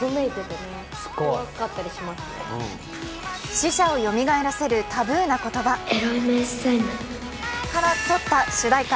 死者をよみがえさせるタブーな言葉。からとった主題歌